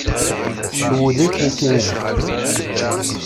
Tcewwel-ikem tinna?